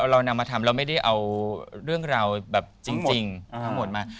เรานำมาทำเราไม่ได้เอาเรื่องเราจริงมา